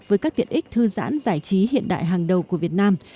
với các tiện ích thư giãn giải trí hiện đại hàng đầu của việt nam